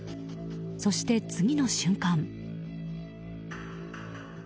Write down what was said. そして、次の瞬間。